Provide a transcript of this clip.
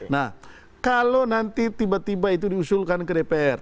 nah kalau nanti tiba tiba itu diusulkan ke dpr